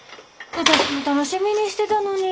私も楽しみにしてたのに。